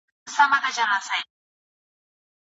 د استاد د مړینې دولسم تلین په درنښت ولمانځل شو.